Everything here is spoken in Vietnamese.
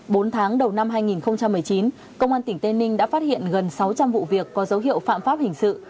bốn tháng đầu năm hai nghìn một mươi chín công an tỉnh tây ninh đã phát hiện gần sáu trăm linh vụ việc có dấu hiệu phạm pháp hình sự